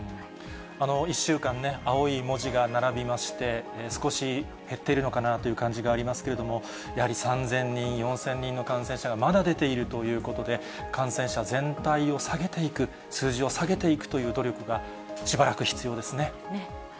１週間ね、青い文字が並びまして、少し減っているのかなという感じがありますけれども、やはり３０００人、４０００人の感染者がまだ出ているということで、感染者全体を下げていく、数字を下げていくという努力がしばらく必要ですね。